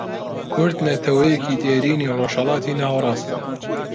کورد نەتەوەیەکی دێرینی ڕۆژهەڵاتی ناوەڕاستە